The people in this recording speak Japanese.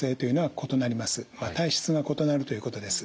体質が異なるということです。